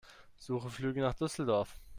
Suche Flüge nach Düsseldorf.